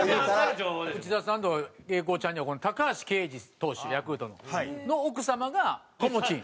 内田さんと英孝ちゃんにはこの高橋奎二投手ヤクルトの。の奥様がともちん。